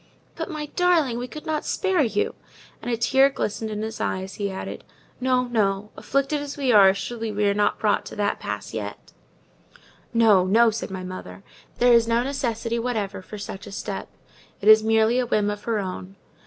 "But, my darling, we could not spare you." And a tear glistened in his eye as he added—"No, no! afflicted as we are, surely we are not brought to that pass yet." "Oh, no!" said my mother. "There is no necessity whatever for such a step; it is merely a whim of her own.